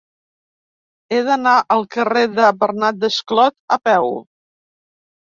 He d'anar al carrer de Bernat Desclot a peu.